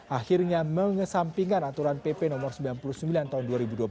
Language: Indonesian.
akhirnya mengesampingkan aturan pp no sembilan puluh sembilan tahun dua ribu dua puluh